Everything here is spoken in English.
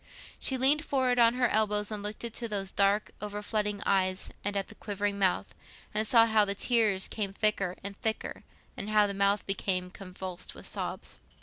She leaned forward on her elbows, and looked into those dark overflooding eyes and at the quivering mouth, and saw how the tears came thicker and thicker, and how the mouth became convulsed with sobs.